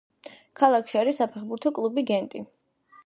ქალაქში არის საფეხბურთო კლუბი გენტი.